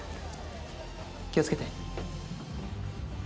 気をつけて。